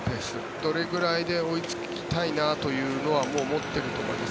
どれぐらいで追いつきたいなというのはもう持っていると思います。